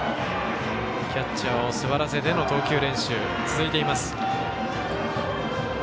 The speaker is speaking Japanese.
キャッチャーを座らせての投球練習続いています。